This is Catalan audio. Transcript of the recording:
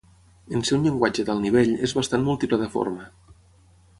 En ser un llenguatge d'alt nivell, és bastant multiplataforma.